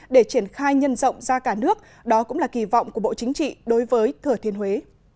để triển khai nhân rộng ra cả nước đó cũng là kỳ vọng của bộ chính trị đối với thừa thiên huế